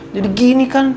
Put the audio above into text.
jadi gini kan